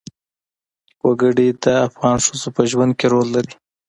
وګړي د افغان ښځو په ژوند کې رول لري.